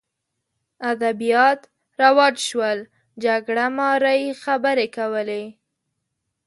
ادبیات رواج شول جګړه مارۍ خبرې کولې